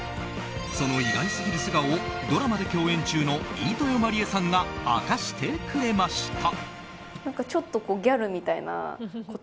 その意外すぎる素顔をドラマで共演中の飯豊まりえさんが明かしてくれました。